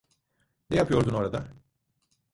Ne yapıyordun orada?